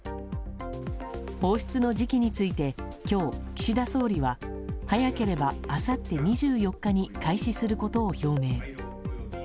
放出の時期について今日、岸田総理は早ければあさって２４日に開始することを表明。